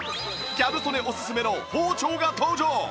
ギャル曽根おすすめの包丁が登場！